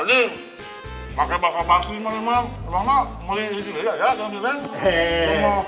semangat mau liat liat ya jangan direng